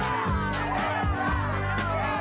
hidup ujang hidup ujang